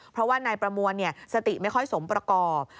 เพราะว่านายประมวลสติไม่ค่อยสมประกอบ